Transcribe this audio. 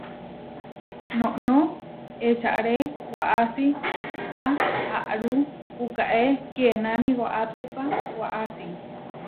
Noʼnó eʼčáre waʼási aʼáru puʼkáe kienáni waʼátépa waʼási.